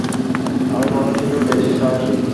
আমি মানুষ হিসাবে বেশ সাহসী।